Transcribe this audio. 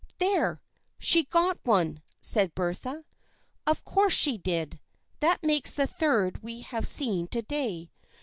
" There ! She got one !" said Bertha. " Of course she did. That makes the third we have seen to day.